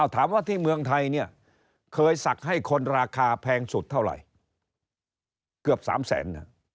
ถามว่าที่เมืองไทยเคยสักให้คนราคาแพงสุดเท่าไหร่เกือบสามแสน